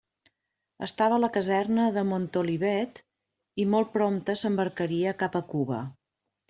Estava a la caserna de Montolivet, i molt prompte s'embarcaria cap a Cuba.